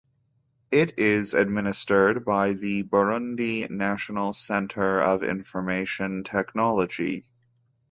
It is administered by the Burundi National Center of Information Technology.